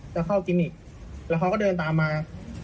แล้วเข้ากินอีกแล้วเขาก็เดินตามมา